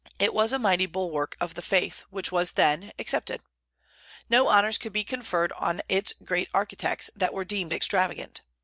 It was a mighty bulwark of the faith which was then, accepted. No honors could be conferred on its great architects that were deemed extravagant.